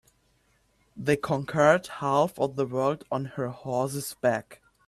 The conquered half of the world on her horse's back.